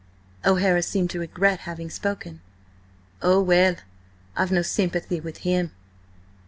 O'Hara seemed to regret having spoken "Oh, well–I've no sympathy with him."